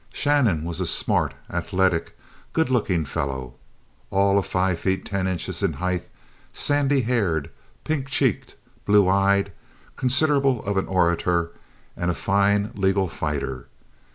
Shannon was a smart, athletic, good looking fellow, all of five feet ten inches in height, sandy haired, pink cheeked, blue eyed, considerable of an orator and a fine legal fighter.